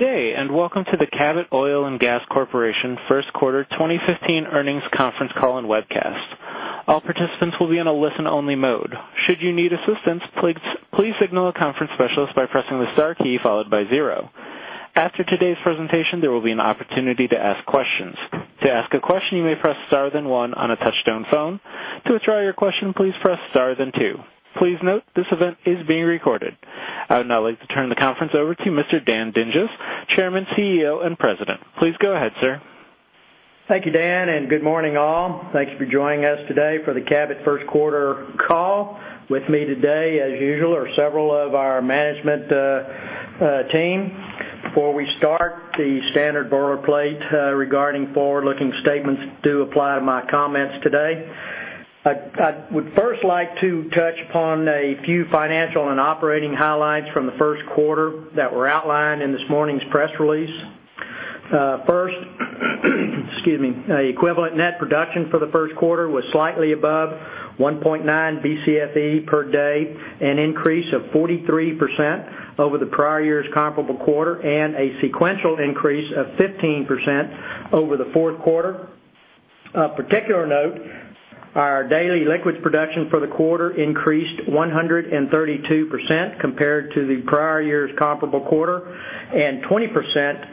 Good day, and welcome to the Cabot Oil and Gas Corporation first quarter 2015 earnings conference call and webcast. All participants will be in a listen-only mode. Should you need assistance, please signal a conference specialist by pressing the star key followed by zero. After today's presentation, there will be an opportunity to ask questions. To ask a question, you may press star, then one on a touchtone phone. To withdraw your question, please press star, then two. Please note, this event is being recorded. I would now like to turn the conference over to Mr. Dan Dinges, Chairman, CEO, and President. Please go ahead, sir. Thank you, Dan. Good morning, all. Thanks for joining us today for the Cabot first quarter call. With me today, as usual, are several of our management team. Before we start, the standard boilerplate regarding forward-looking statements do apply to my comments today. First. Equivalent net production for the first quarter was slightly above 1.9 BCFE per day, an increase of 43% over the prior year's comparable quarter and a sequential increase of 15% over the fourth quarter. Of particular note, our daily liquids production for the quarter increased 132% compared to the prior year's comparable quarter and 20%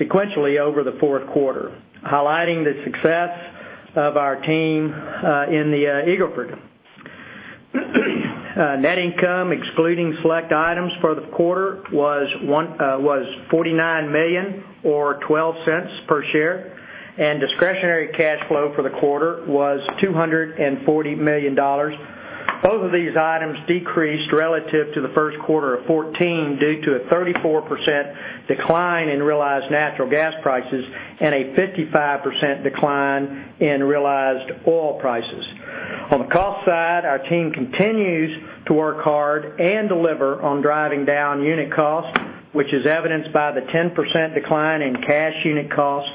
sequentially over the fourth quarter, highlighting the success of our team in the Eagle Ford. Net income, excluding select items for the quarter, was $49 million or $0.12 per share, and discretionary cash flow for the quarter was $240 million. Both of these items decreased relative to the first quarter of 2014 due to a 34% decline in realized natural gas prices and a 55% decline in realized oil prices. On the cost side, our team continues to work hard and deliver on driving down unit costs, which is evidenced by the 10% decline in cash unit cost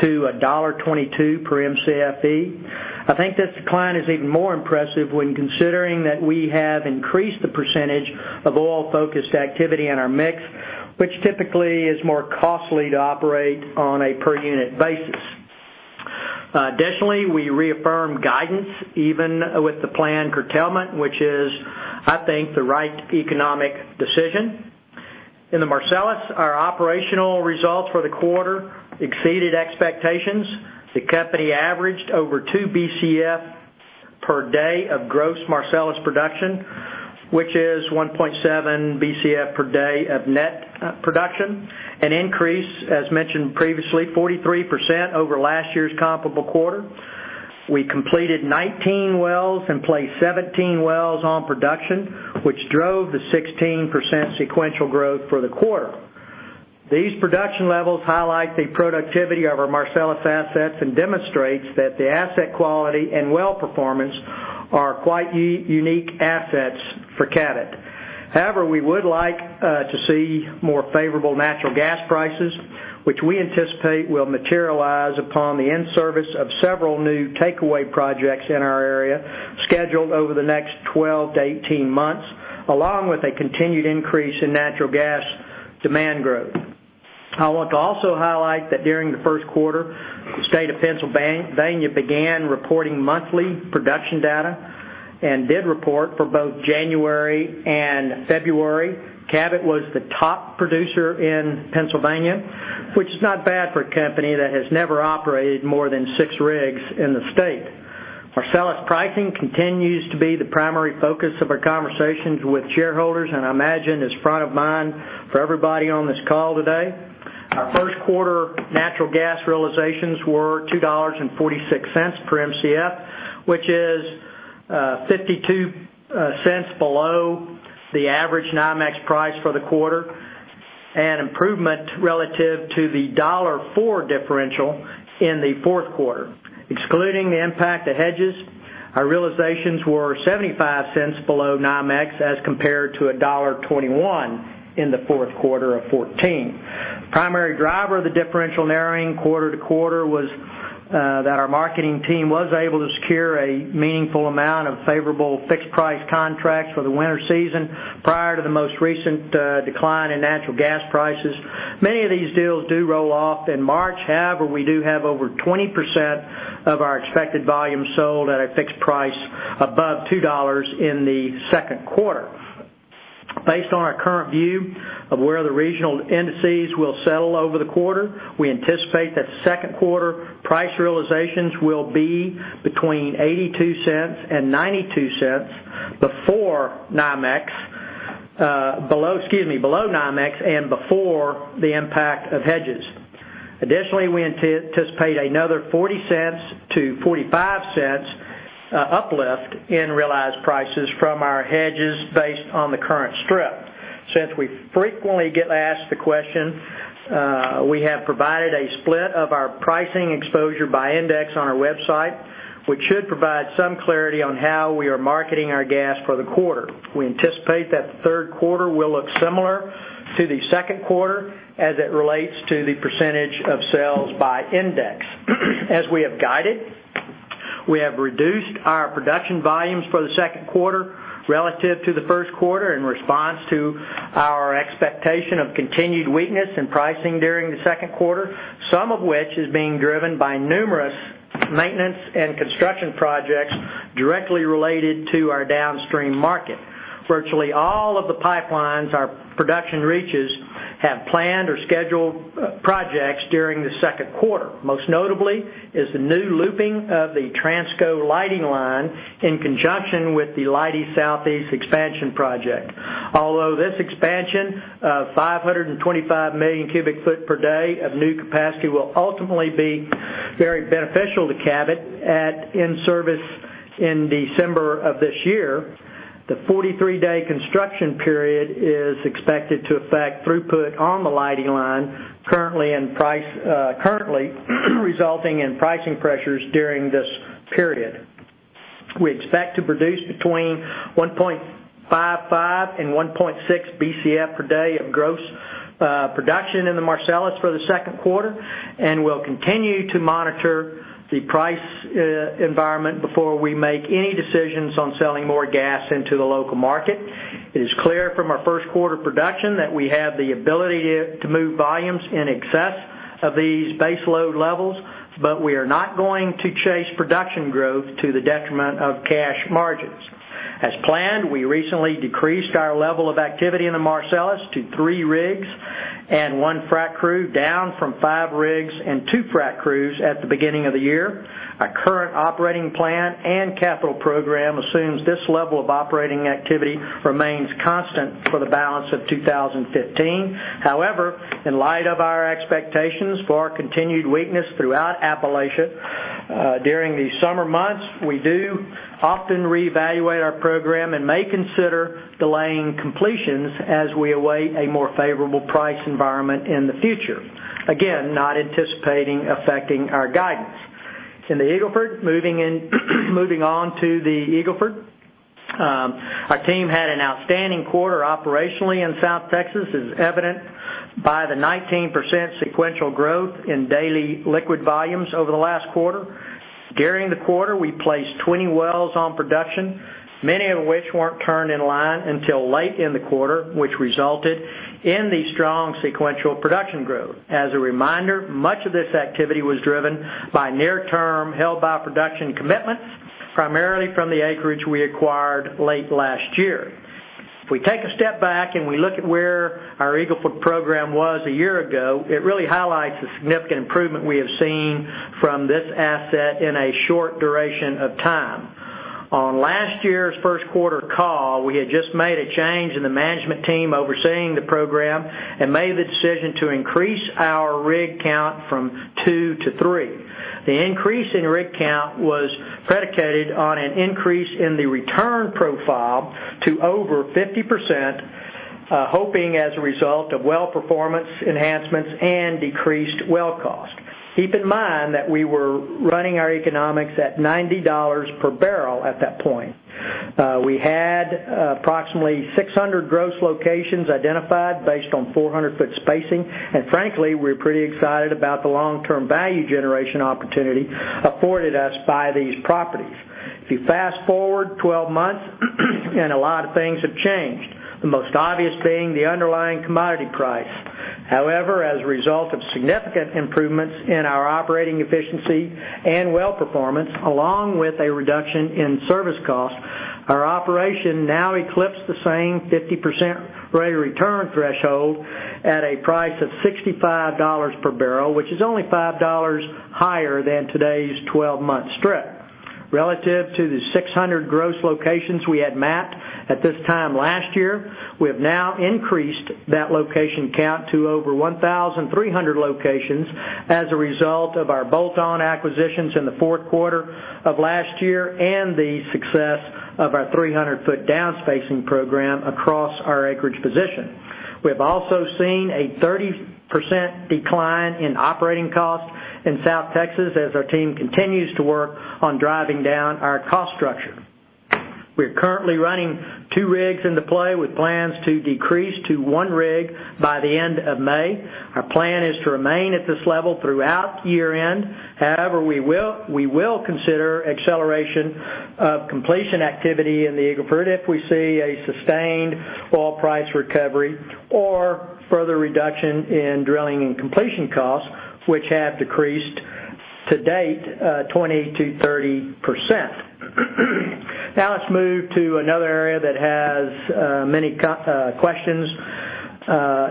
to $1.22 per MCFE. I think this decline is even more impressive when considering that we have increased the percentage of oil-focused activity in our mix, which typically is more costly to operate on a per-unit basis. We reaffirm guidance even with the planned curtailment, which is, I think, the right economic decision. In the Marcellus, our operational results for the quarter exceeded expectations. The company averaged over 2 BCF per day of gross Marcellus production, which is 1.7 BCF per day of net production, an increase, as mentioned previously, 43% over last year's comparable quarter. We completed 19 wells and placed 17 wells on production, which drove the 16% sequential growth for the quarter. These production levels highlight the productivity of our Marcellus assets and demonstrates that the asset quality and well performance are quite unique assets for Cabot. We would like to see more favorable natural gas prices, which we anticipate will materialize upon the in-service of several new takeaway projects in our area scheduled over the next 12-18 months, along with a continued increase in natural gas demand growth. I want to also highlight that during the first quarter, the state of Pennsylvania began reporting monthly production data and did report for both January and February. Cabot was the top producer in Pennsylvania, which is not bad for a company that has never operated more than six rigs in the state. Marcellus pricing continues to be the primary focus of our conversations with shareholders, and I imagine is front of mind for everybody on this call today. Our first quarter natural gas realizations were $2.46 per MCF, which is $0.52 below the average NYMEX price for the quarter. An improvement relative to the $1.04 differential in the fourth quarter. Excluding the impact of hedges, our realizations were $0.75 below NYMEX as compared to $1.21 in the fourth quarter of 2014. The primary driver of the differential narrowing quarter-to-quarter was that our marketing team was able to secure a meaningful amount of favorable fixed price contracts for the winter season prior to the most recent decline in natural gas prices. Many of these deals do roll off in March. However, we do have over 20% of our expected volume sold at a fixed price above $2 in the second quarter. Based on our current view of where the regional indices will settle over the quarter, we anticipate that second quarter price realizations will be between $0.82 and $0.92 before NYMEX, excuse me, below NYMEX and before the impact of hedges. Additionally, we anticipate another $0.40 to $0.45 uplift in realized prices from our hedges based on the current strip. Since we frequently get asked the question, we have provided a split of our pricing exposure by index on our website, which should provide some clarity on how we are marketing our gas for the quarter. We anticipate that the third quarter will look similar to the second quarter as it relates to the percentage of sales by index. As we have guided, we have reduced our production volumes for the second quarter relative to the first quarter in response to our expectation of continued weakness in pricing during the second quarter, some of which is being driven by numerous maintenance and construction projects directly related to our downstream market. Virtually all of the pipelines our production reaches have planned or scheduled projects during the second quarter. Most notably is the new looping of the Transco Leidy Line in conjunction with the Leidy Southeast expansion project. Although this expansion of 525 million cubic feet per day of new capacity will ultimately be very beneficial to Cabot at in-service in December of this year, the 43-day construction period is expected to affect throughput on the Leidy Line currently resulting in pricing pressures during this period. We expect to produce between 1.55 and 1.6 BCF per day of gross production in the Marcellus for the second quarter, and we'll continue to monitor the price environment before we make any decisions on selling more gas into the local market. It is clear from our first quarter production that we have the ability to move volumes in excess of these baseload levels, but we are not going to chase production growth to the detriment of cash margins. As planned, we recently decreased our level of activity in the Marcellus to 3 rigs and 1 frac crew, down from 5 rigs and 2 frac crews at the beginning of the year. Our current operating plan and capital program assumes this level of operating activity remains constant for the balance of 2015. However, in light of our expectations for our continued weakness throughout Appalachia during the summer months, we do often reevaluate our program and may consider delaying completions as we await a more favorable price environment in the future. Again, not anticipating affecting our guidance. In the Eagle Ford, moving on to the Eagle Ford. Our team had an outstanding quarter operationally in South Texas, as evident by the 19% sequential growth in daily liquid volumes over the last quarter. During the quarter, we placed 20 wells on production, many of which weren't turned in line until late in the quarter, which resulted in the strong sequential production growth. As a reminder, much of this activity was driven by near term held by production commitments, primarily from the acreage we acquired late last year. If we take a step back and we look at where our Eagle Ford program was a year ago, it really highlights the significant improvement we have seen from this asset in a short duration of time. On last year's first quarter call, we had just made a change in the management team overseeing the program and made the decision to increase our rig count from 2 to 3. The increase in rig count was predicated on an increase in the return profile to over 50%, hoping as a result of well performance enhancements and decreased well cost. Keep in mind that we were running our economics at $90 per barrel at that point. We had approximately 600 gross locations identified based on 400-foot spacing, and frankly, we're pretty excited about the long-term value generation opportunity afforded us by these properties. If you fast-forward 12 months, a lot of things have changed, the most obvious being the underlying commodity price. However, as a result of significant improvements in our operating efficiency and well performance, along with a reduction in service cost, our operation now eclipsed the same 50% rate of return threshold at a price of $65 per barrel, which is only $5 higher than today's 12-month strip. Relative to the 600 gross locations we had mapped at this time last year, we have now increased that location count to over 1,300 locations as a result of our bolt-on acquisitions in the fourth quarter of last year and the success of our 300-foot down-spacing program across our acreage position. We have also seen a 30% decline in operating costs in South Texas as our team continues to work on driving down our cost structure. We're currently running 2 rigs in the play with plans to decrease to 1 rig by the end of May. Our plan is to remain at this level throughout year-end. However, we will consider acceleration of completion activity in the Eagle Ford if we see a sustained oil price recovery or further reduction in drilling and completion costs, which have decreased to date 20%-30%. Now let's move to another area that has many questions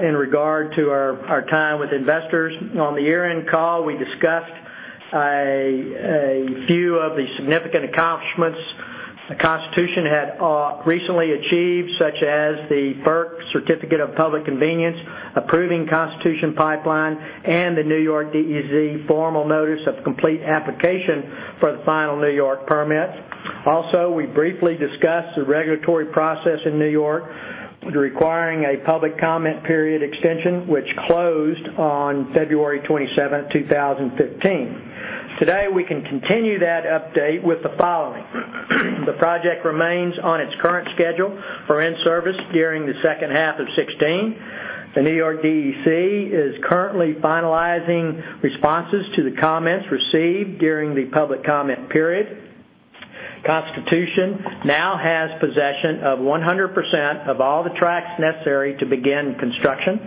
in regard to our time with investors. On the year-end call, we discussed a few of the significant accomplishments the Constitution had recently achieved, such as the FERC Certificate of Public Convenience approving Constitution Pipeline and the New York DEC formal notice of complete application for the final New York permit. We briefly discussed the regulatory process in New York requiring a public comment period extension, which closed on February 27th, 2015. Today, we can continue that update with the following. The project remains on its current schedule for in-service during the second half of 2016. The New York DEC is currently finalizing responses to the comments received during the public comment period. Constitution now has possession of 100% of all the tracts necessary to begin construction.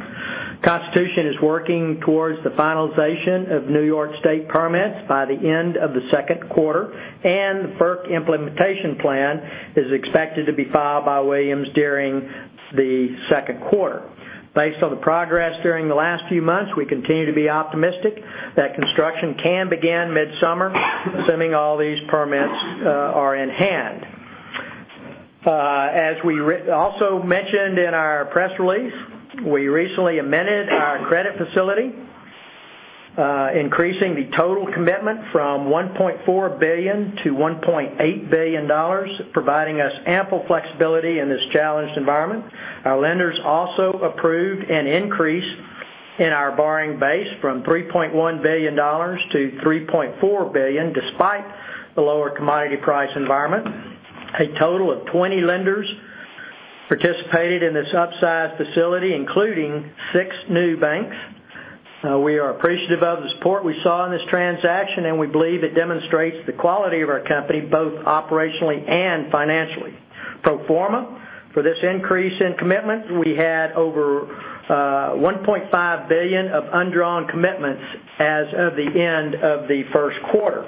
Constitution is working towards the finalization of New York State permits by the end of the second quarter, and the FERC implementation plan is expected to be filed by Williams during the second quarter. Based on the progress during the last few months, we continue to be optimistic that construction can begin midsummer, assuming all these permits are in hand. As we also mentioned in our press release, we recently amended our credit facility, increasing the total commitment from $1.4 billion to $1.8 billion, providing us ample flexibility in this challenged environment. Our lenders also approved an increase in our borrowing base from $3.1 billion to $3.4 billion, despite the lower commodity price environment. A total of 20 lenders participated in this upsize facility, including six new banks. We are appreciative of the support we saw in this transaction, and we believe it demonstrates the quality of our company, both operationally and financially. Pro forma, for this increase in commitment, we had over $1.5 billion of undrawn commitments as of the end of the first quarter.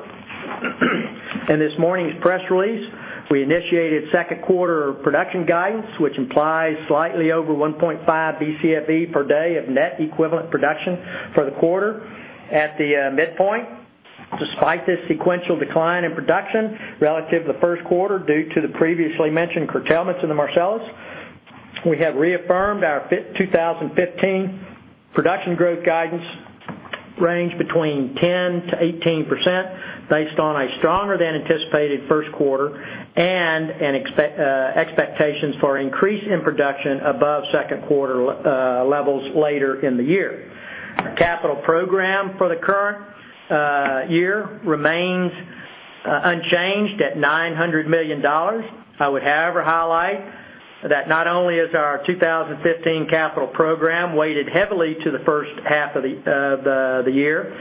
In this morning's press release, we initiated second quarter production guidance, which implies slightly over 1.5 BCFE per day of net equivalent production for the quarter at the midpoint. Despite this sequential decline in production relative to the first quarter due to the previously mentioned curtailments in the Marcellus, we have reaffirmed our 2015 production growth guidance range between 10%-18%, based on a stronger than anticipated first quarter and expectations for increase in production above second quarter levels later in the year. Our capital program for the current year remains unchanged at $900 million. I would, however, highlight that not only is our 2015 capital program weighted heavily to the first half of the year,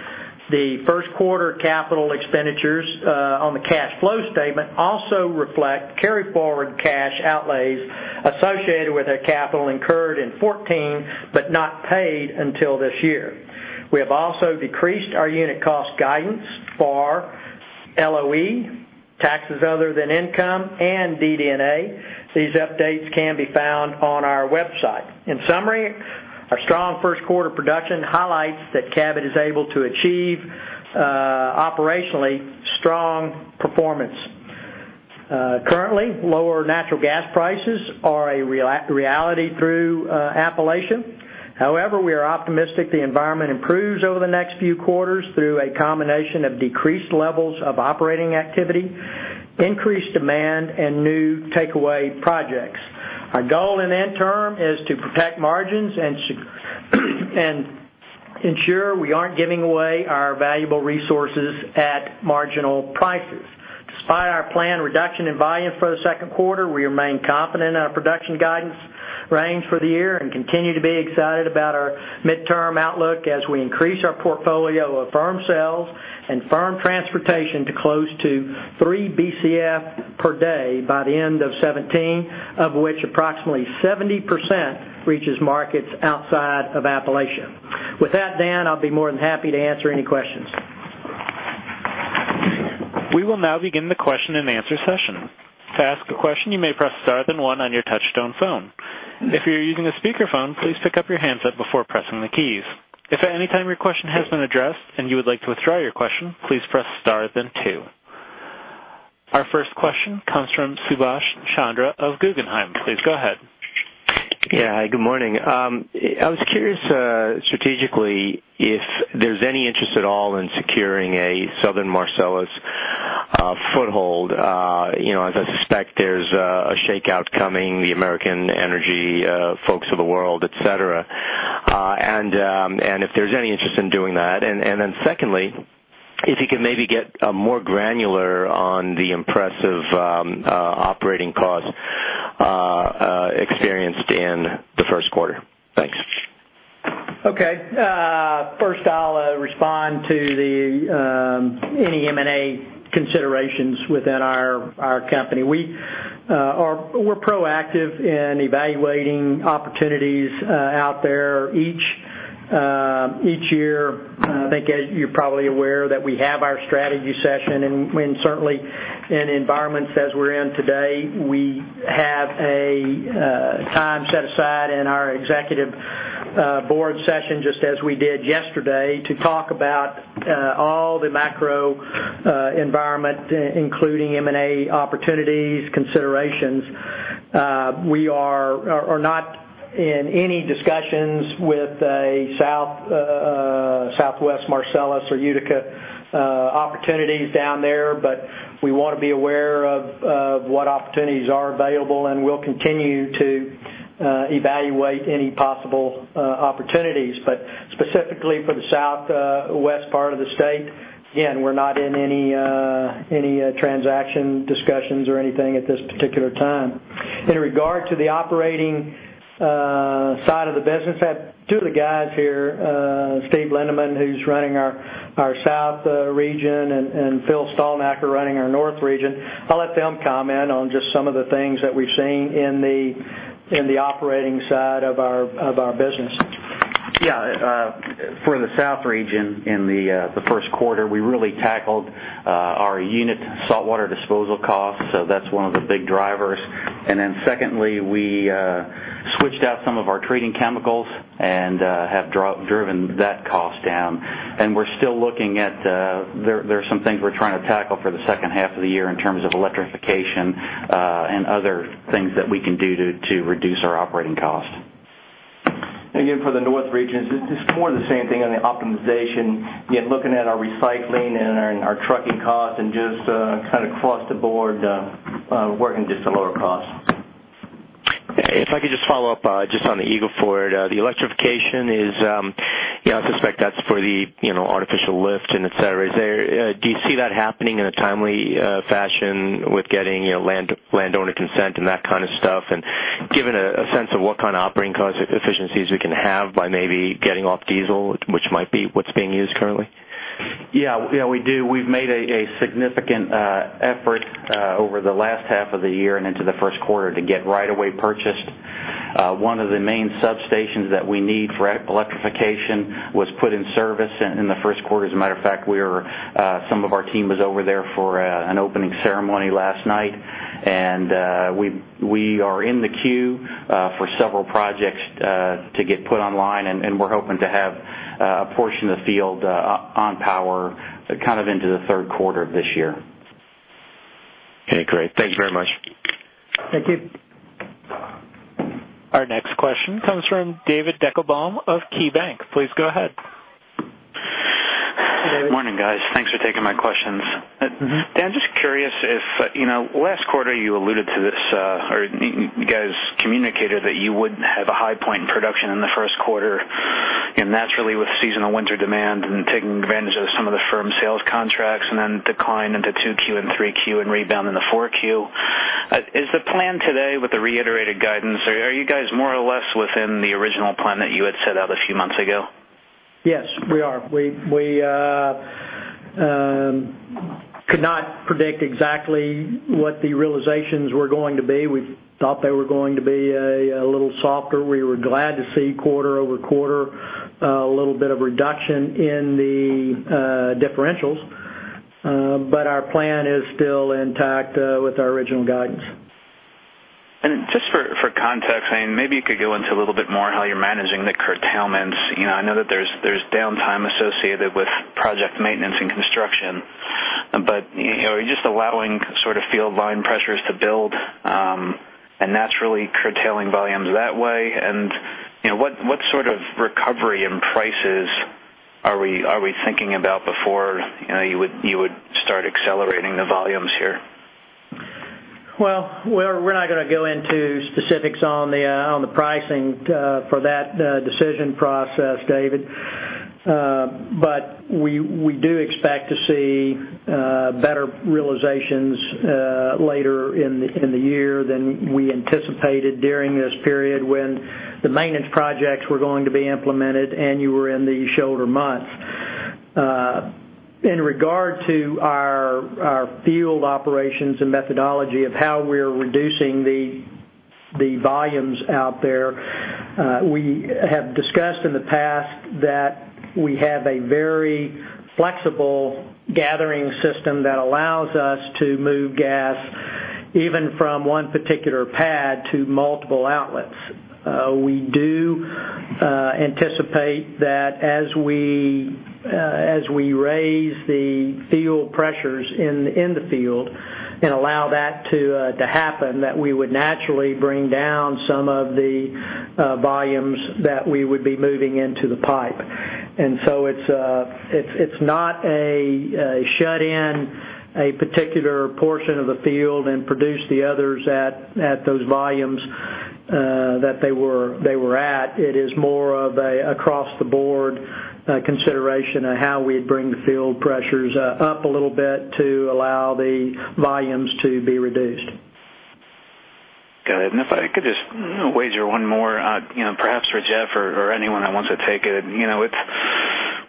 the first quarter capital expenditures on the cash flow statement also reflect carry-forward cash outlays associated with our capital incurred in 2014, but not paid until this year. We have also decreased our unit cost guidance for LOE, taxes other than income, and DD&A. These updates can be found on our website. In summary, our strong first quarter production highlights that Cabot is able to achieve operationally strong performance. Currently, lower natural gas prices are a reality through Appalachia. We are optimistic the environment improves over the next few quarters through a combination of decreased levels of operating activity, increased demand, and new takeaway projects. Our goal in the interim is to protect margins and ensure we aren't giving away our valuable resources at marginal prices. Despite our planned reduction in volume for the second quarter, we remain confident in our production guidance range for the year and continue to be excited about our midterm outlook as we increase our portfolio of firm sales and firm transportation to close to 3 Bcf per day by the end of 2017, of which approximately 70% reaches markets outside of Appalachia. With that, Dan, I'll be more than happy to answer any questions. We will now begin the question and answer session. To ask a question, you may press star then one on your touchtone phone. If you're using a speakerphone, please pick up your handset before pressing the keys. If at any time your question has been addressed and you would like to withdraw your question, please press star then two. Our first question comes from Subash Chandra of Guggenheim. Please go ahead. Yeah. Good morning. I was curious, strategically, if there's any interest at all in securing a Southern Marcellus foothold, as I suspect there's a shakeout coming, the American Energy folks of the world, et cetera, if there's any interest in doing that. Then secondly, if you could maybe get more granular on the impressive operating costs experienced in the first quarter. Thanks. Okay. First I'll respond to any M&A considerations within our company. We're proactive in evaluating opportunities out there each year. I think as you're probably aware that we have our strategy session, certainly in environments as we're in today, we have a time set aside in our executive board session, just as we did yesterday, to talk about all the macro environment, including M&A opportunities, considerations. We are not in any discussions with a Southwest Marcellus or Utica opportunities down there, but we want to be aware of what opportunities are available, and we'll continue to evaluate any possible opportunities. Specifically for the southwest part of the state, again, we're not in any transaction discussions or anything at this particular time. In regard to the operating side of the business, I have two of the guys here, Steve Lindeman, who's running our South region, and Phil Stalnaker running our North region. I'll let them comment on just some of the things that we've seen in the operating side of our business. Yeah. For the South region in the first quarter, we really tackled our unit saltwater disposal costs, that's one of the big drivers. Secondly, we switched out some of our treating chemicals and have driven that cost down. There are some things we're trying to tackle for the second half of the year in terms of electrification and other things that we can do to reduce our operating cost. Again, for the North region, it's more of the same thing on the optimization. Again, looking at our recycling and our trucking cost, and just across the board working just to lower cost. If I could just follow up just on the Eagle Ford. The electrification is, I suspect that's for the artificial lift and et cetera. Do you see that happening in a timely fashion with getting landowner consent and that kind of stuff? Give a sense of what kind of operating cost efficiencies we can have by maybe getting off diesel, which might be what's being used currently. Yeah, we do. We've made a significant effort over the last half of the year and into the first quarter to get right of way purchased. One of the main substations that we need for electrification was put in service in the first quarter. As a matter of fact, some of our team was over there for an opening ceremony last night. We are in the queue for several projects to get put online, and we're hoping to have a portion of the field on power into the third quarter of this year. Okay, great. Thank you very much. Thank you. Our next question comes from David Deckelbaum of KeyBanc. Please go ahead. Morning, guys. Thanks for taking my questions. Dan, just curious if, last quarter you alluded to this. You guys communicated that you would have a high point in production in the first quarter. That's really with seasonal winter demand and taking advantage of some of the firm sales contracts. Then decline into 2Q and 3Q and rebound in the 4Q. Is the plan today with the reiterated guidance, are you guys more or less within the original plan that you had set out a few months ago? Yes, we are. We could not predict exactly what the realizations were going to be. We thought they were going to be a little softer. We were glad to see quarter-over-quarter a little bit of reduction in the differentials. Our plan is still intact with our original guidance. Just for context, maybe you could go into a little bit more how you're managing the curtailments. I know that there's downtime associated with project maintenance and construction. Are you just allowing field line pressures to build, and naturally curtailing volumes that way? What sort of recovery in prices are we thinking about before you would start accelerating the volumes here? We're not going to go into specifics on the pricing for that decision process, David. We do expect to see better realizations later in the year than we anticipated during this period when the maintenance projects were going to be implemented, and you were in the shoulder months. In regard to our field operations and methodology of how we're reducing the volumes out there, we have discussed in the past that we have a very flexible gathering system that allows us to move gas even from one particular pad to multiple outlets. We do anticipate that as we raise the field pressures in the field and allow that to happen, that we would naturally bring down some of the volumes that we would be moving into the pipe. It's not a shut-in a particular portion of the field and produce the others at those volumes that they were at. It is more of a across the board consideration of how we'd bring field pressures up a little bit to allow the volumes to be reduced. Got it. If I could just wager one more, perhaps for Jeff or anyone that wants to take it.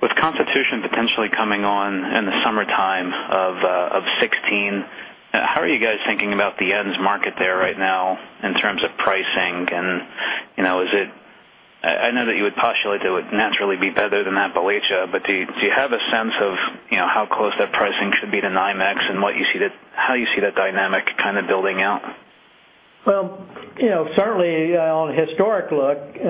With competition potentially coming on in the summertime of 2016, how are you guys thinking about the ends market there right now in terms of pricing? I know that you would postulate it would naturally be better than Appalachia, do you have a sense of how close that pricing should be to NYMEX and how you see that dynamic building out? Certainly on a historic look,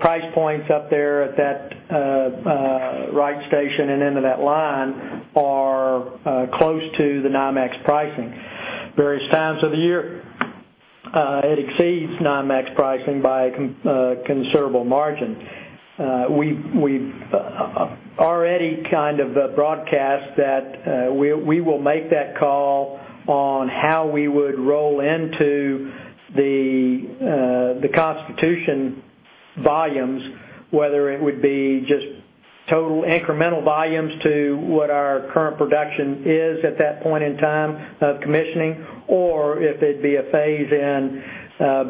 price points up there at that Wright station and into that line are close to the NYMEX pricing. Various times of the year it exceeds NYMEX pricing by a considerable margin. We've already broadcast that we will make that call on how we would roll into the Constitution volumes, whether it would be just total incremental volumes to what our current production is at that point in time of commissioning, or if it'd be a phase-in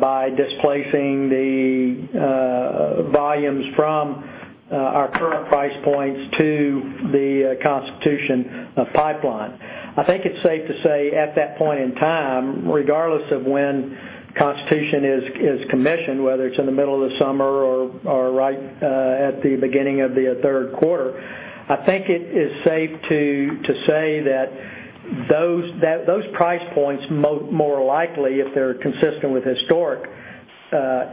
by displacing the volumes from our current price points to the Constitution Pipeline. I think it's safe to say, at that point in time, regardless of when Constitution is commissioned, whether it's in the middle of the summer or right at the beginning of the third quarter, I think it is safe to say that those price points, more likely, if they're consistent with historic,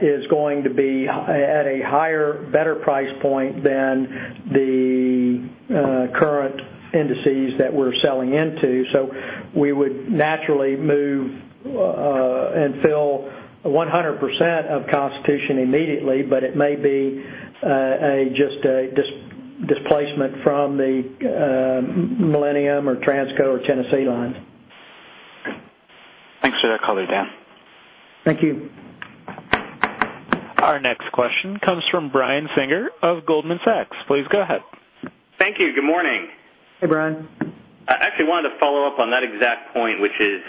is going to be at a higher, better price point than the current indices that we're selling into. We would naturally move and fill 100% of Constitution immediately, but it may be just a displacement from the Millennium or Transco or Tennessee line. Thanks for that color, Dan. Thank you. Our next question comes from Brian Singer of Goldman Sachs. Please go ahead. Thank you. Good morning. Hey, Brian. I actually wanted to follow up on that exact point, which is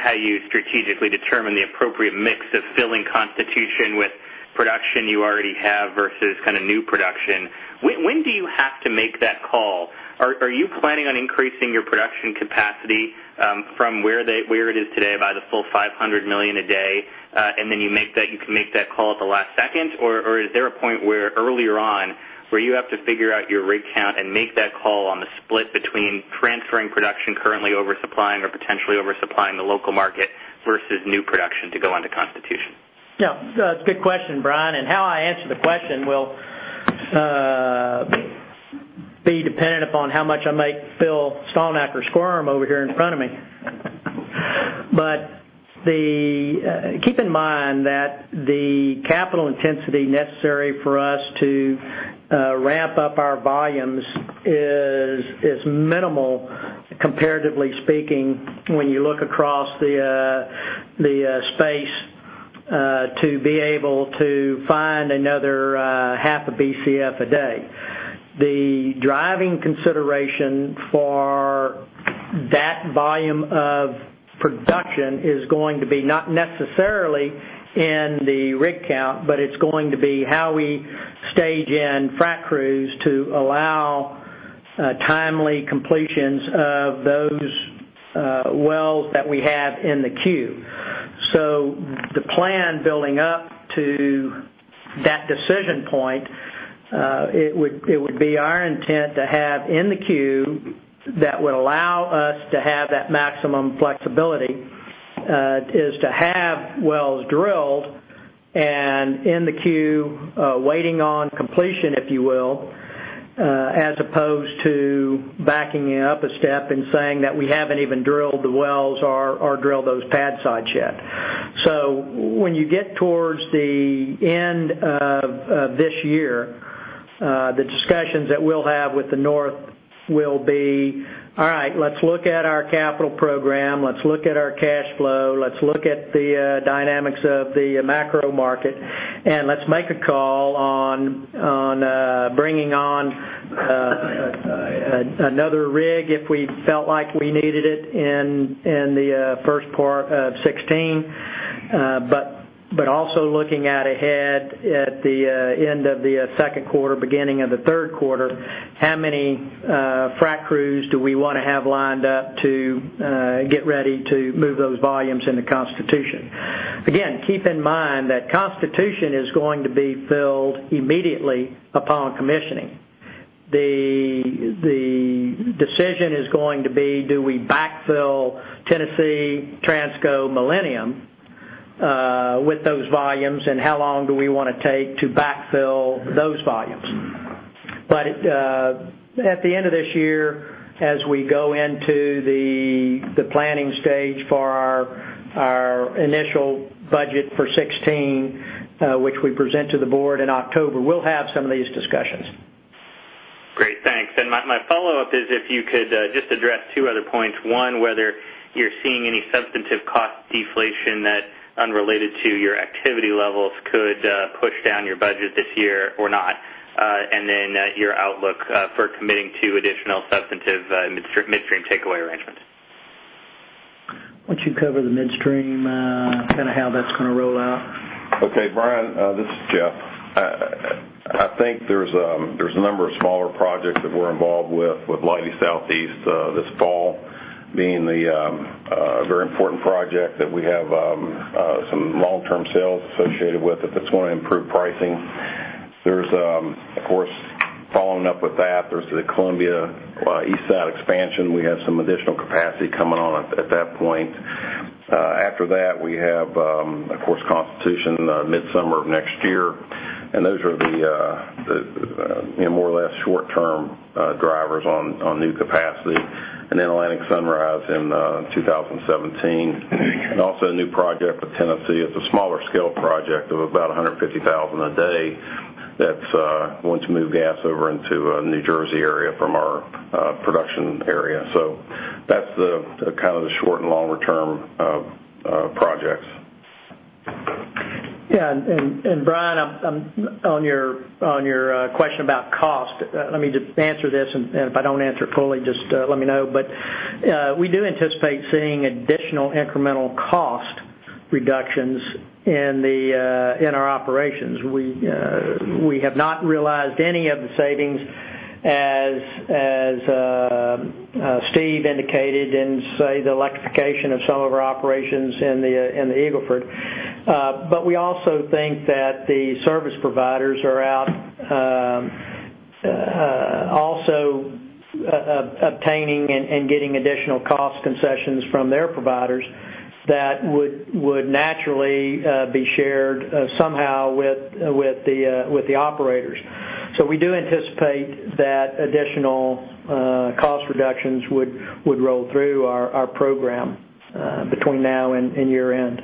how you strategically determine the appropriate mix of filling Constitution with production you already have versus new production. When do you have to make that call? Are you planning on increasing your production capacity from where it is today by the full 500 million a day, and then you can make that call at the last second? Or is there a point where earlier on, where you have to figure out your rig count and make that call on the split between transferring production currently over-supplying or potentially over-supplying the local market versus new production to go onto Constitution? Yeah. It's a good question, Brian. How I answer the question will be dependent upon how much I might make Bill Stalnaker or Squarm over here in front of me. Keep in mind that the capital intensity necessary for us to ramp up our volumes is minimal, comparatively speaking, when you look across the space to be able to find another half a BCF a day. The driving consideration for that volume of production is going to be not necessarily in the rig count, but it's going to be how we stage in frac crews to allow timely completions of those wells that we have in the queue. The plan building up to that decision point, it would be our intent to have in the queue, that would allow us to have that maximum flexibility, is to have wells drilled and in the queue waiting on completion, if you will, as opposed to backing it up a step and saying that we haven't even drilled the wells or drilled those pad sites yet. When you get towards the end of this year, the discussions that we'll have with the North will be, all right, let's look at our capital program, let's look at our cash flow, let's look at the dynamics of the macro market, and let's make a call on bringing on another rig if we felt like we needed it in the first part of 2016. Also looking at ahead at the end of the second quarter, beginning of the third quarter, how many frac crews do we want to have lined up to get ready to move those volumes into Constitution? Again, keep in mind that Constitution is going to be filled immediately upon commissioning. The decision is going to be, do we backfill Tennessee Transco Millennium with those volumes, and how long do we want to take to backfill those volumes? At the end of this year, as we go into the planning stage for our initial budget for 2016, which we present to the board in October, we'll have some of these discussions. Great. Thanks. My follow-up is if you could just address 2 other points. One, whether you're seeing any substantive cost deflation that, unrelated to your activity levels, could push down your budget this year or not, and then your outlook for committing to additional substantive midstream takeaway arrangements. Why don't you cover the midstream, how that's going to roll out? Okay, Brian, this is Jeff. I think there's a number of smaller projects that we're involved with Leidy Southeast this fall, being the very important project that we have some long-term sales associated with it, that's going to improve pricing. There's, of course, following up with that, there's the Columbia East Side Expansion. We have some additional capacity coming on at that point. After that, we have, of course, Constitution midsummer of next year. Then Atlantic Sunrise in 2017. Also a new project with Tennessee. It's a smaller scale project of about 150,000 a day. That's going to move gas over into New Jersey area from our production area. That's the short and longer-term projects. Yeah. Brian, on your question about cost, let me just answer this, and if I don't answer it fully, just let me know. We do anticipate seeing additional incremental cost reductions in our operations. We have not realized any of the savings, as Steve indicated in, say, the electrification of some of our operations in the Eagle Ford. We also think that the service providers are out also obtaining and getting additional cost concessions from their providers that would naturally be shared somehow with the operators. We do anticipate that additional cost reductions would roll through our program between now and year-end.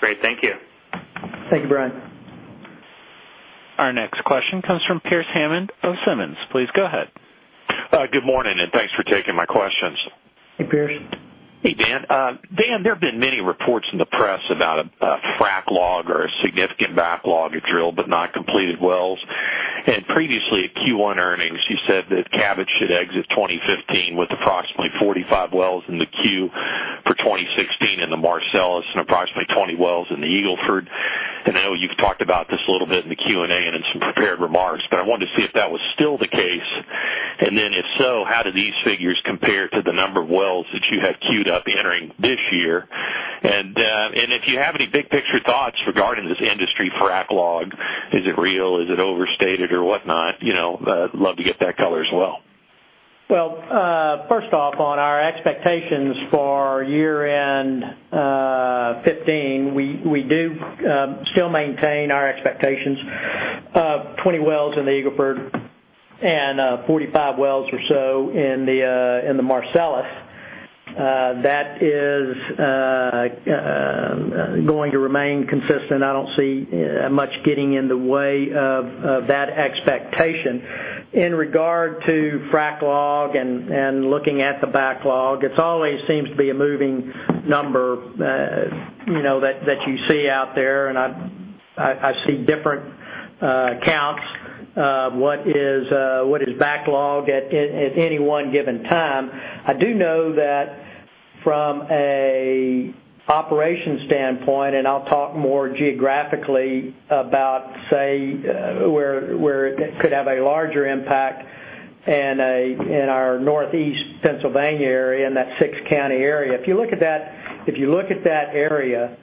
Great. Thank you. Thank you, Brian. Our next question comes from Pearce Hammond of Simmons. Please go ahead. Good morning, thanks for taking my questions. Hey, Pearce. Hey, Dan. Dan, there have been many reports in the press about a frac-log or a significant backlog of drilled but not completed wells. Previously at Q1 earnings, you said that Cabot should exit 2015 with approximately 45 wells in the queue for 2016 in the Marcellus and approximately 20 wells in the Eagle Ford. I know you've talked about this a little bit in the Q&A and in some prepared remarks, but I wanted to see if that was still the case. Then if so, how do these figures compare to the number of wells that you have queued up entering this year? If you have any big picture thoughts regarding this industry frac-log, is it real? Is it overstated or whatnot. Love to get that color as well. Well, first off, on our expectations for year-end 2015, we do still maintain our expectations of 20 wells in the Eagle Ford and 45 wells or so in the Marcellus. That is going to remain consistent. I don't see much getting in the way of that expectation. In regard to frac-log and looking at the backlog, it always seems to be a moving number that you see out there, I see different counts of what is backlogged at any one given time. I do know that from an operation standpoint, I'll talk more geographically about, say, where it could have a larger impact in our Northeast Pennsylvania area, in that six-county area. If you look at that area,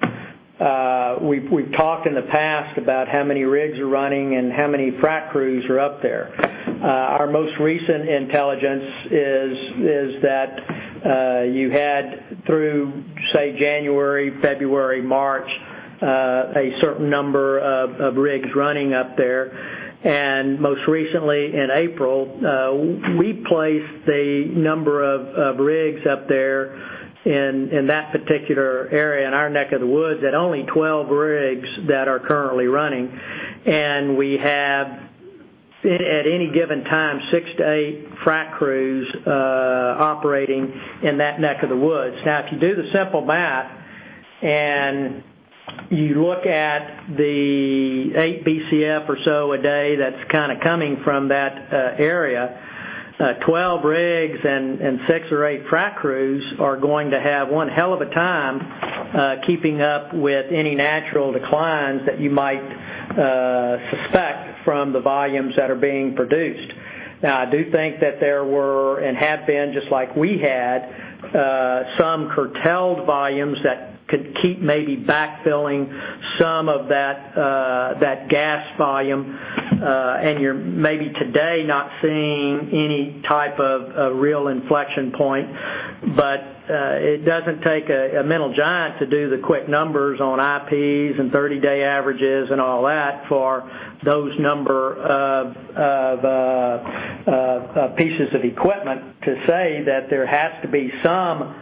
we've talked in the past about how many rigs are running and how many frac crews are up there. Our most recent intelligence is that you had through, say, January, February, March, a certain number of rigs running up there, most recently in April, we placed a number of rigs up there in that particular area in our neck of the woods, only 12 rigs that are currently running. We have, at any given time, six to eight frac crews operating in that neck of the woods. If you do the simple math and you look at the eight Bcf or so a day that's coming from that area, 12 rigs and six or eight frac crews are going to have one hell of a time keeping up with any natural declines that you might suspect from the volumes that are being produced. I do think that there were, have been, just like we had, some curtailed volumes that could keep maybe backfilling some of that gas volume, you're maybe today not seeing any type of real inflection point. It doesn't take a mental giant to do the quick numbers on IPs and 30-day averages and all that for those number of pieces of equipment to say that there has to be some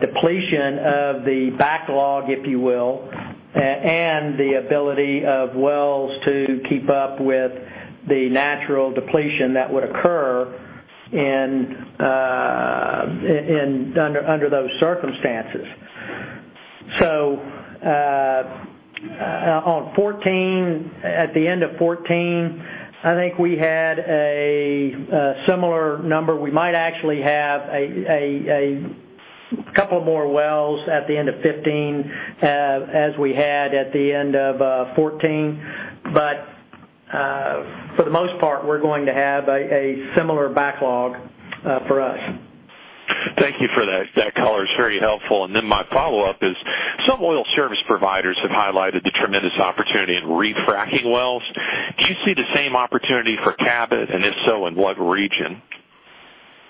depletion of the backlog, if you will, and the ability of wells to keep up with the natural depletion that would occur under those circumstances. At the end of 2014, I think we had a similar number. We might actually have a couple more wells at the end of 2015 as we had at the end of 2014. For the most part, we're going to have a similar backlog for us. Thank you for that. That color is very helpful. My follow-up is some oil service providers have highlighted the tremendous opportunity in refracking wells. Do you see the same opportunity for Cabot? If so, in what region?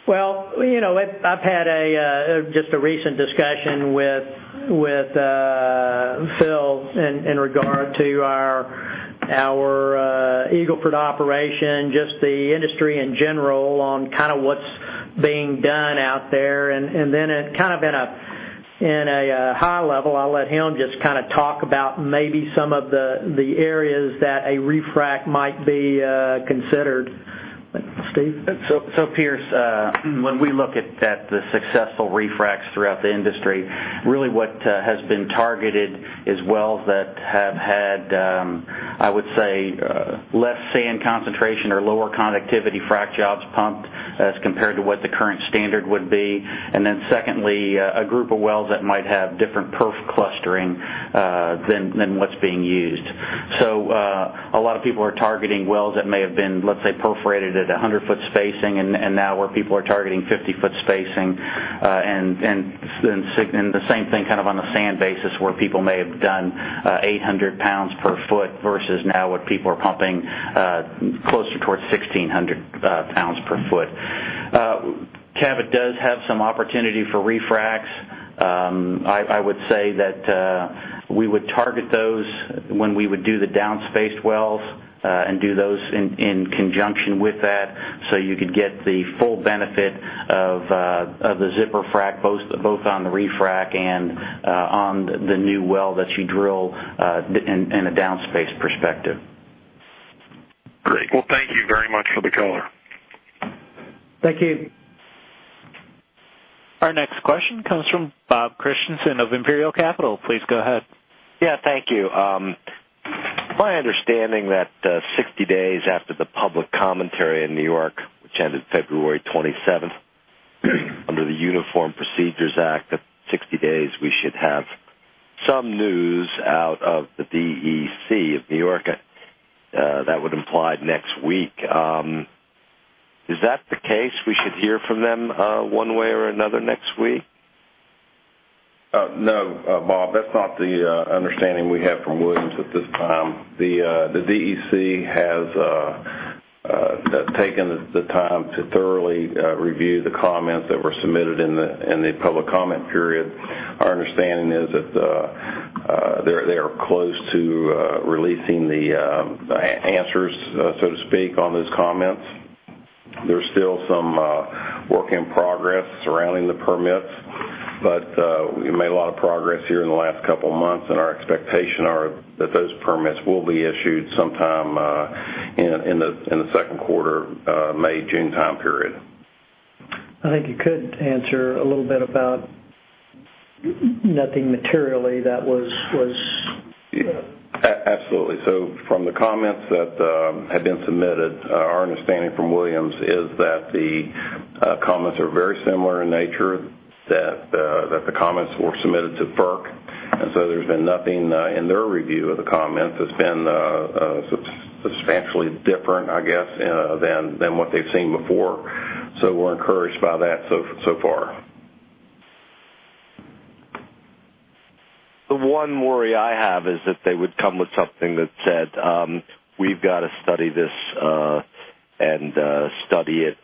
Well, I've had just a recent discussion with Phil in regard to our Eagle Ford operation, just the industry in general on what's being done out there. At a high level, I'll let him just talk about maybe some of the areas that a refrac might be considered. Steve? Pearce, when we look at the successful refracts throughout the industry, really what has been targeted is wells that have had, I would say, less sand concentration or lower conductivity frac jobs pumped as compared to what the current standard would be. Secondly, a group of wells that might have different perf clustering than what's being used. A lot of people are targeting wells that may have been, let's say, perforated at 100-foot spacing, and now where people are targeting 50-foot spacing. The same thing on the sand basis where people may have done 800 pounds per foot versus now what people are pumping closer towards 1,600 pounds per foot. Cabot does have some opportunity for refracts. I would say that we would target those when we would do the down-spaced wells, do those in conjunction with that, you could get the full benefit of the zipper frac, both on the refrac and on the new well that you drill in a down-space perspective. Great. Well, thank you very much for the color. Thank you. Our next question comes from Robert Christensen of Imperial Capital. Please go ahead. Yeah, thank you. It's my understanding that 60 days after the public commentary in New York, which ended February 27th, under the Uniform Procedures Act, at 60 days, we should have some news out of the DEC of New York. That would imply next week. Is that the case, we should hear from them one way or another next week? No. Bob, that's not the understanding we have from Williams at this time. The DEC has taken the time to thoroughly review the comments that were submitted in the public comment period. Our understanding is that they are close to releasing the answers, so to speak, on those comments. There's still some work in progress surrounding the permits, but we made a lot of progress here in the last couple of months, and our expectation are that those permits will be issued sometime in the second quarter, May, June time period. I think you could answer a little bit about nothing materially that was. Absolutely. From the comments that have been submitted, our understanding from Williams is that the comments are very similar in nature, that the comments were submitted to FERC, there's been nothing in their review of the comments that's been substantially different, I guess, than what they've seen before. We're encouraged by that so far. The one worry I have is that they would come with something that said, "We've got to study this, and study it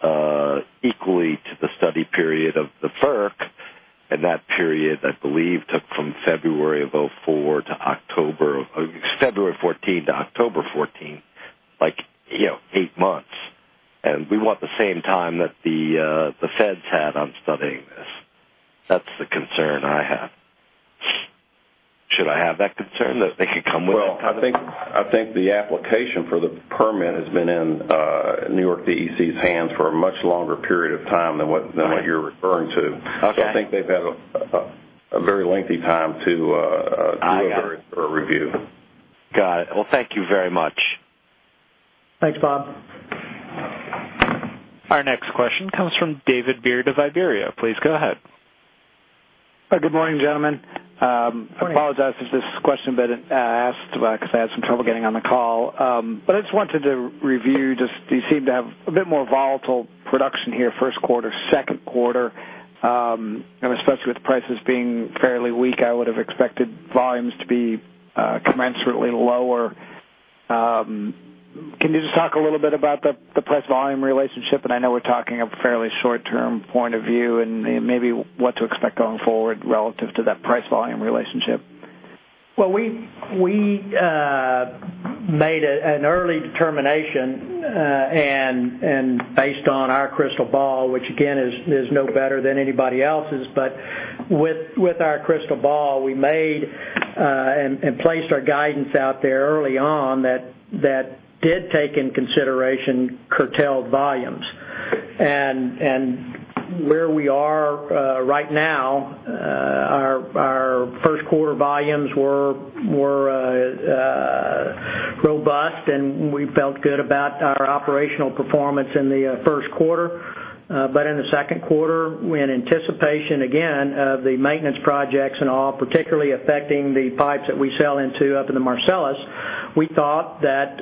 equally to the study period of the FERC." That period, I believe, took from February 2014 to October 2014, like eight months. We want the same time that the feds had on studying this. That's the concern I have. Should I have that concern that they could come with that kind of. Well, I think the application for the permit has been in New York DEC's hands for a much longer period of time than what you're referring to. Okay. I think they've had a very lengthy time. I got it. a review. Got it. Well, thank you very much. Thanks, Bob. Our next question comes from David Beard of Iberia. Please go ahead. Good morning, gentlemen. Morning. I apologize if this question had been asked, because I had some trouble getting on the call. I just wanted to review, you seem to have a bit more volatile production here, first quarter, second quarter. Especially with prices being fairly weak, I would've expected volumes to be commensurately lower. Can you just talk a little bit about the price volume relationship? I know we're talking a fairly short-term point of view, and maybe what to expect going forward relative to that price volume relationship. Well, we made an early determination, based on our crystal ball, which again, is no better than anybody else's. With our crystal ball, we made and placed our guidance out there early on that did take into consideration curtailed volumes. Where we are right now, our first quarter volumes were robust, and we felt good about our operational performance in the first quarter. In the second quarter, in anticipation again of the maintenance projects and all, particularly affecting the pipes that we sell into up in the Marcellus, we thought that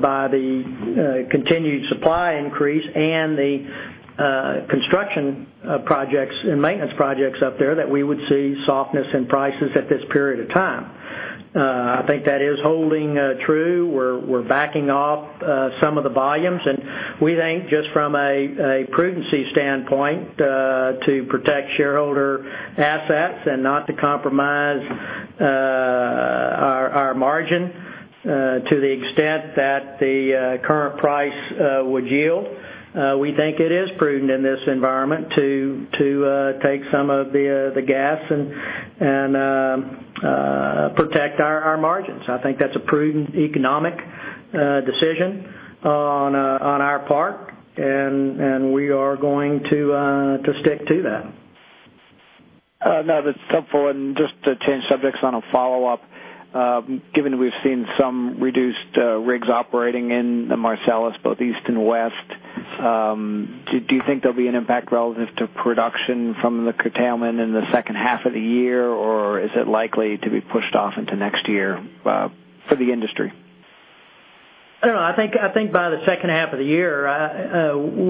by the continued supply increase and the construction projects and maintenance projects up there, that we would see softness in prices at this period of time. I think that is holding true. We're backing off some of the volumes, we think just from a prudency standpoint, to protect shareholder assets and not to compromise margin, to the extent that the current price would yield. We think it is prudent in this environment to take some of the gas and protect our margins. I think that's a prudent economic decision on our part, we are going to stick to that. No, that's helpful. Just to change subjects on a follow-up, given we've seen some reduced rigs operating in the Marcellus, both east and west, do you think there'll be an impact relative to production from the curtailment in the second half of the year, or is it likely to be pushed off into next year for the industry? I don't know. I think by the second half of the year,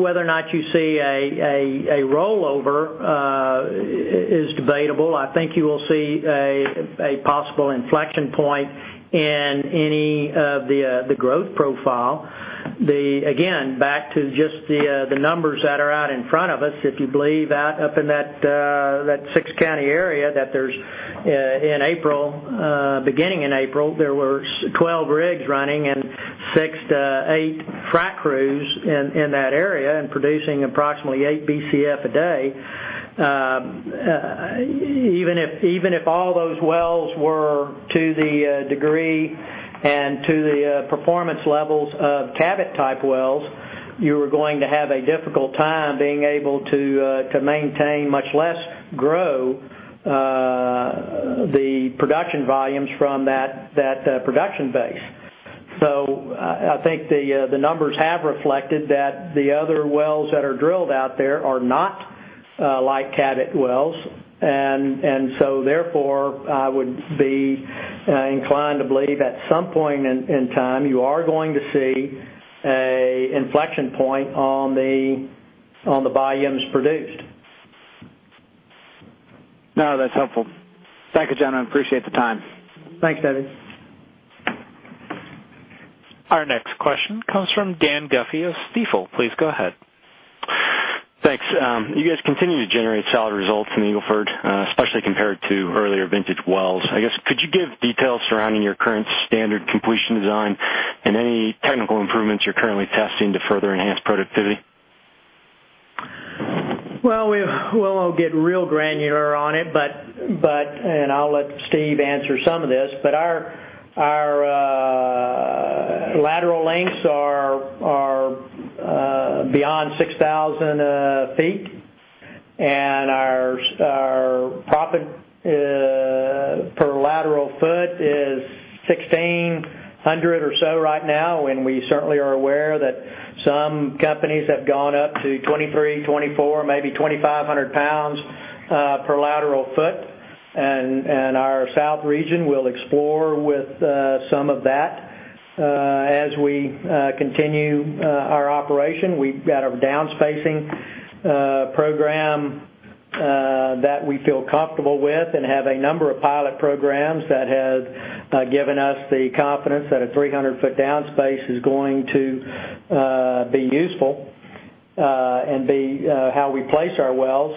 whether or not you see a rollover is debatable. I think you will see a possible inflection point in any of the growth profile. Again, back to just the numbers that are out in front of us, if you believe up in that six county area, that beginning in April, there were 12 rigs running and six to eight frac crews in that area and producing approximately 8 Bcf a day. Even if all those wells were to the degree and to the performance levels of Cabot-type wells, you are going to have a difficult time being able to maintain, much less grow, the production volumes from that production base. I think the numbers have reflected that the other wells that are drilled out there are not like Cabot wells. Therefore, I would be inclined to believe at some point in time you are going to see an inflection point on the volumes produced. No, that's helpful. Thank you, gentlemen. I appreciate the time. Thanks, David. Our next question comes from Dan Duffy of Stifel. Please go ahead. Thanks. You guys continue to generate solid results in the Eagle Ford, especially compared to earlier vintage wells. I guess, could you give details surrounding your current standard completion design and any technical improvements you're currently testing to further enhance productivity? Well, we won't get real granular on it, and I'll let Steve answer some of this, our lateral lengths are beyond 6,000 feet, and our proppant per lateral foot is 1,600 or so right now. We certainly are aware that some companies have gone up to 23, 24, maybe 2,500 pounds per lateral foot. Our south region will explore with some of that as we continue our operation. We've got a downspacing program that we feel comfortable with and have a number of pilot programs that have given us the confidence that a 300-foot downspace is going to be useful and be how we place our wells.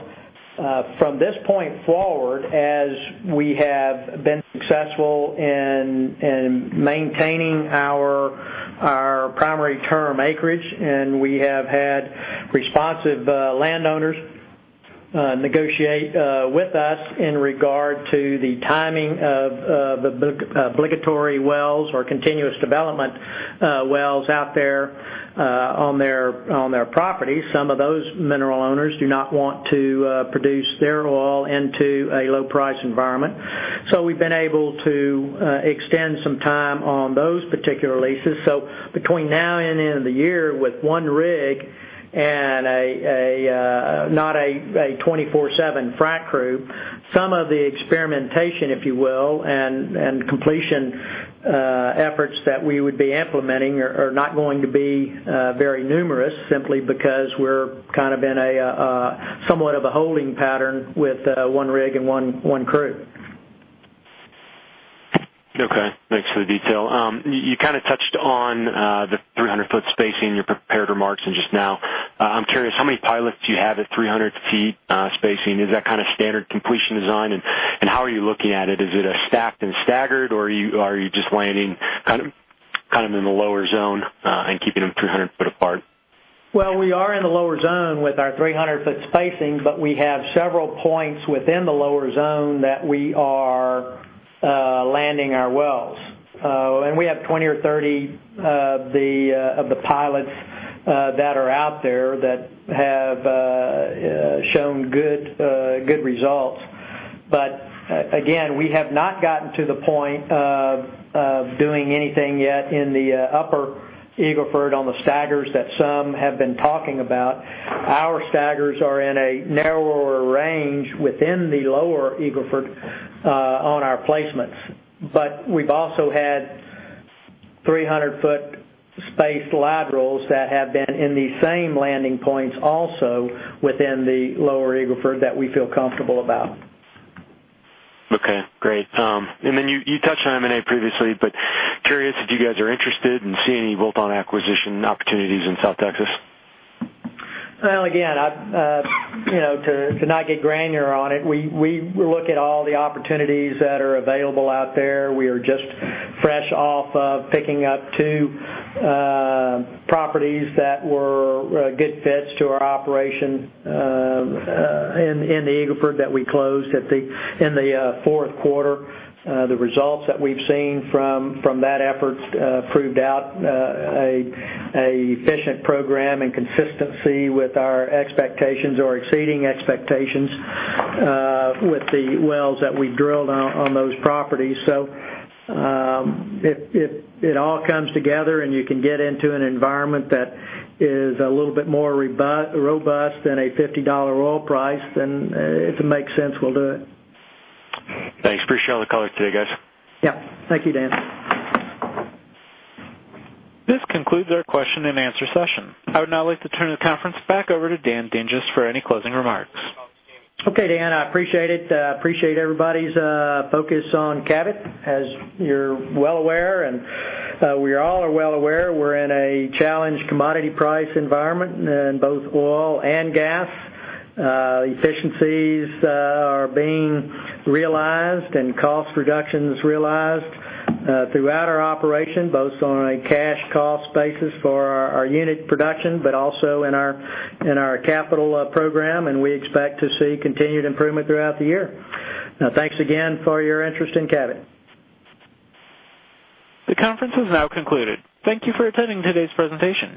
From this point forward, as we have been successful in maintaining our primary term acreage, and we have had responsive landowners negotiate with us in regard to the timing of obligatory wells or continuous development wells out there on their property. Some of those mineral owners do not want to produce their oil into a low price environment. We've been able to extend some time on those particular leases. Between now and the end of the year, with one rig and not a 24/7 frac crew, some of the experimentation, if you will, and completion efforts that we would be implementing are not going to be very numerous simply because we're in somewhat of a holding pattern with one rig and one crew. Okay. Thanks for the detail. You touched on the 300-foot spacing in your prepared remarks and just now. I'm curious, how many pilots do you have at 300 feet spacing? Is that standard completion design, and how are you looking at it? Is it a stacked and staggered, or are you just landing in the lower zone and keeping them 300 foot apart? Well, we are in the lower zone with our 300-foot spacing. We have several points within the lower zone that we are landing our wells. We have 20 or 30 of the pilots that are out there that have shown good results. Again, we have not gotten to the point of doing anything yet in the upper Eagle Ford on the staggers that some have been talking about. Our staggers are in a narrower range within the lower Eagle Ford on our placements. We've also had 300-foot spaced laterals that have been in the same landing points also within the lower Eagle Ford that we feel comfortable about. Okay, great. Then you touched on M&A previously. Curious if you guys are interested in seeing any bolt-on acquisition opportunities in South Texas? Well, again, to not get granular on it, we look at all the opportunities that are available out there. We are just fresh off of picking up two properties that were good fits to our operation in the Eagle Ford that we closed in the fourth quarter. The results that we've seen from that effort proved out an efficient program and consistency with our expectations or exceeding expectations with the wells that we drilled on those properties. If it all comes together and you can get into an environment that is a little bit more robust than a $50 oil price, then if it makes sense, we'll do it. Thanks. Appreciate all the color today, guys. Yeah. Thank you, Dan. This concludes our question and answer session. I would now like to turn the conference back over to Dan Dinges for any closing remarks. Okay, Dan, I appreciate it. Appreciate everybody's focus on Cabot. As you're well aware, and we all are well aware, we're in a challenged commodity price environment in both oil and gas. Efficiencies are being realized and cost reductions realized throughout our operation, both on a cash cost basis for our unit production, but also in our capital program, and we expect to see continued improvement throughout the year. Thanks again for your interest in Cabot. The conference is now concluded. Thank you for attending today's presentation.